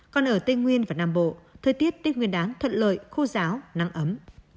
còn ở tây nguyên và nam bộ thời tiết tây nguyên đáng thận lợi khô ráo nắng ấm